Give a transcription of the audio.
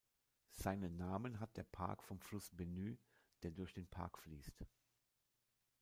Seinen Namen hat der Park vom Fluss Benue, der durch den Park fließt.